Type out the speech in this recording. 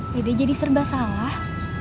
dede jadi serba salah